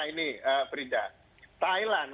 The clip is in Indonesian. ini prida thailand